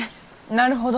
なるほど。